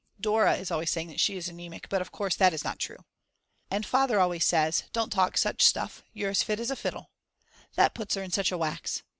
Dora is always saying that she is anemic, but of course that is not true. And Father always says "Don't talk such stuff, you're as fit as a fiddle." That puts her in such a wax.